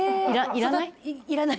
いらない？